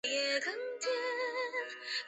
中间神经元连接神经元及中枢神经。